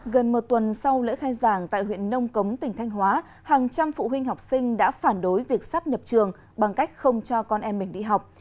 gần một tuần sau lễ khai giảng tại huyện nông cống tỉnh thanh hóa hàng trăm phụ huynh học sinh đã phản đối việc sắp nhập trường bằng cách không cho con em mình đi học